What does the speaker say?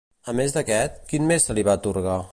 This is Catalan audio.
A més d'aquest, quins més se li va atorgar?